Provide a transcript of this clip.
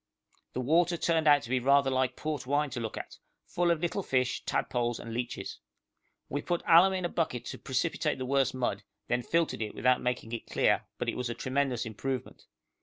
The water turned out to be rather like port wine to look at, full of little fish, tadpoles, and leeches. We put alum in a bucket to precipitate the worst mud, then filtered it without making it clear, but it was a tremendous improvement.